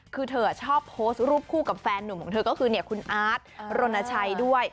คือเธอชอบโพสต์รูปคู่กับแฟนหนุ่มของเธอก็คือคุณอาร์ตรณชัยด้วย